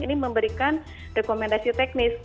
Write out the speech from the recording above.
ini memberikan rekomendasi teknis